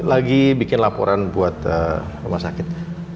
lagi bikin laporan buat rumah sakit